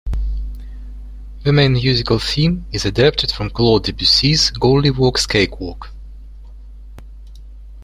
The main musical theme is adapted from Claude Debussy's Golliwogg's Cakewalk.